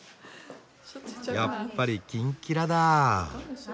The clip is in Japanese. やっぱり金キラだ。